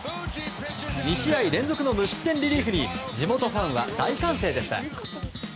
２試合連続の無失点リリーフに地元ファンは大歓声でした。